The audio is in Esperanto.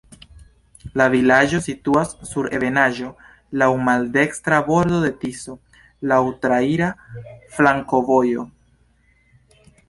La vilaĝo situas sur ebenaĵo, laŭ maldekstra bordo de Tiso, laŭ traira flankovojo.